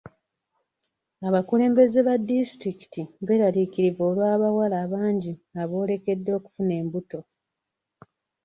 Abakulembeze ba disitulikiti beeraliikirivu olw'abawala abangi aboolekedde okufuna embuto.